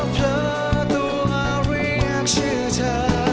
เผลอตัวเรียกชื่อเธอ